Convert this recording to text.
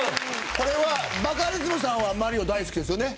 これはバカリズムさんはマリオ大好きですよね。